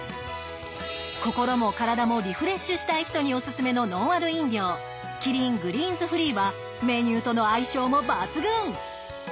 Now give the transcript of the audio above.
心も体もリフレッシュしたい人にオススメのノンアル飲料キリングリーンズフリーはメニューとの相性も抜群！